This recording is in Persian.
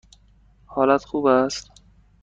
حالت خوب است؟